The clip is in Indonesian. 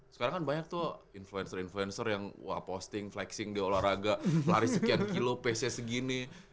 sekarang kan banyak tuh influencer influencer yang wah posting flexing di olahraga lari sekian kilo pace nya segini